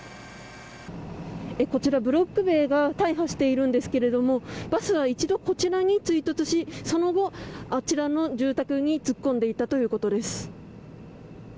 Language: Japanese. こちら、ブロック塀が大破しているんですがバスは一度、こちらに追突しその後、あちらの住宅に突っ込んでいったということです。